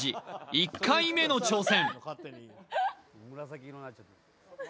１回目の挑戦